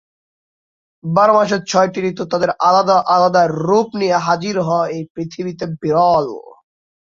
বারো মাসে ছয়টি ঋতু তাদের আলাদা আলাদা রূপ নিয়ে হাজির হওয়া এই পৃথিবীতে বিরল।